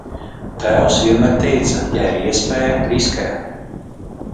Tēvs vienmēr teica: ja ir iespēja, riskē!